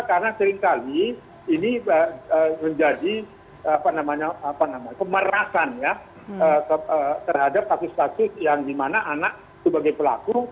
karena seringkali ini menjadi pemerasan terhadap kasus kasus yang dimana anak sebagai pelaku